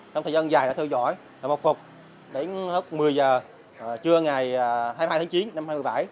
trong thời gian dài đã theo dõi đã mọc phục đến lúc một mươi h trưa ngày hai mươi hai tháng chín năm hai nghìn một mươi bảy